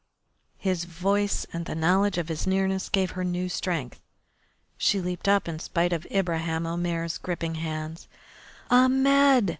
His voice and the knowledge of his nearness gave her new strength. She leaped up in spite of Ibraheim Omair's gripping hands. "Ahmed!"